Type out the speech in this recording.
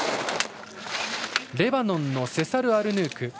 レバノンのセサル・アルヌーク。